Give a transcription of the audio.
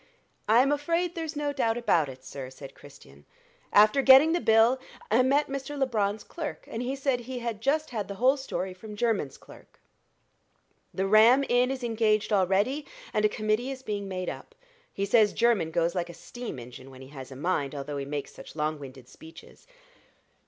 "I'm afraid there's no doubt about it, sir," said Christian. "After getting the bill, I met Mr. Labron's clerk, and he said he had just had the whole story from Jermyn's clerk. The Ram Inn is engaged already, and a committee is being made up. He says Jermyn goes like a steam engine, when he has a mind, although he makes such long winded speeches."